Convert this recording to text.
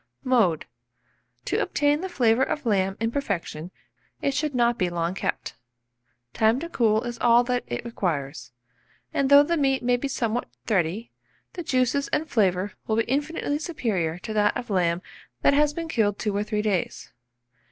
Mode. To obtain the flavour of lamb in perfection, it should not be long kept; time to cool is all that it requires; and though the meat may be somewhat thready, the juices and flavour will be infinitely superior to that of lamb that has been killed 2 or 3 days.